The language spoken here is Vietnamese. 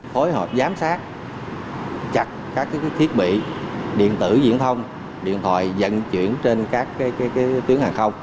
phối hợp giám sát chặt các thiết bị điện tử diễn thông điện thoại dẫn chuyển trên các tuyến hàng không